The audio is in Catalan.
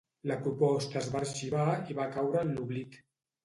La proposta es va arxivar i va caure en l'oblit.